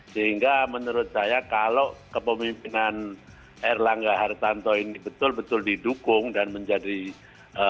sehingga menurut saya kalau kepemimpinan erlangga hartanto ini betul betul didukung dan menjadi ee